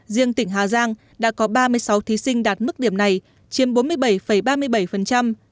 riêng tỉnh hà giang đã có ba mươi sáu thí sinh đạt mức điểm này chiếm bốn mươi bảy ba mươi bảy